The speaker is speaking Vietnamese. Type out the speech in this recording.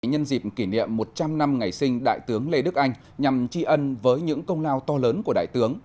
nhân dịp kỷ niệm một trăm linh năm ngày sinh đại tướng lê đức anh nhằm tri ân với những công lao to lớn của đại tướng